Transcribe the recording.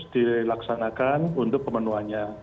terus dilaksanakan untuk pemenuhannya